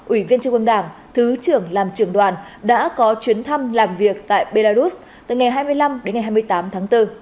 ủy viên trung ương đảng thứ trưởng làm trưởng đoàn đã có chuyến thăm làm việc tại belarus từ ngày hai mươi năm đến ngày hai mươi tám tháng bốn